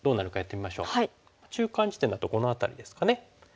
中間地点だとこの辺りですかね。